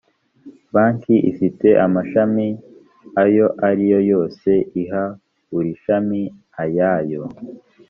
banki ifite amashami ayo riyo yose iha buri shami ayayo